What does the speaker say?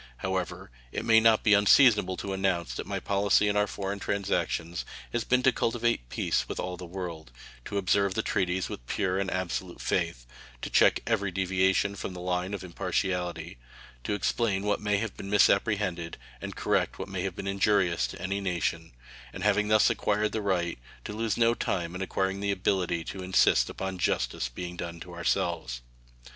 However, it may not be unseasonable to announce that my policy in our foreign transactions has been to cultivate peace with all the world; to observe the treaties with pure and absolute faith; to check every deviation from the line of impartiality; to explain what may have been misapprehended and correct what may have been injurious to any nation, and having thus acquired the right, to lose no time in acquiring the ability to insist upon justice being done to ourselves.